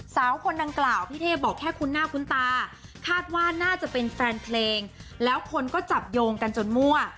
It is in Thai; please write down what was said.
สาวคนดังกล่าวพี่เทพบอกแค่คุ้นหน้าคุ้นตาคาดว่าน่าจะเป็นแฟนเพลงแล้วคนก็จับโยงกันจนมั่ว